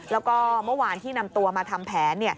แล้วก็เมื่อวานที่นำตัวมาทำแผน